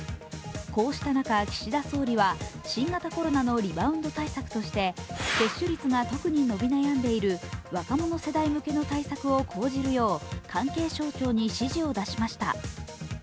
こうした中、岸田総理は新型コロナのリバウンド対策として接種率が特に伸び悩んでいる若者世代向けの対策を講じるよう関係省庁に指示を出しました。